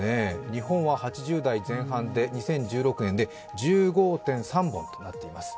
日本は８０代前半で、２０１６年で１５．３本となっています。